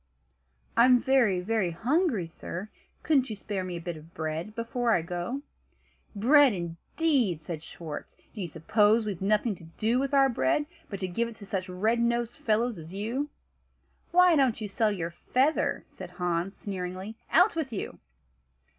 "I'm very, very hungry, sir; couldn't you spare me a bit of bread before I go?" "Bread indeed!" said Schwartz; "do you suppose we've nothing to do with our bread but to give it to such red nosed fellows as you?" "Why don't you sell your feather?" said Hans, sneeringly. "Out with you!"